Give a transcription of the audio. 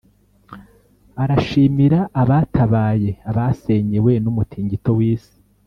arashimira abatabaye abasenyewe n’umutingito w’isi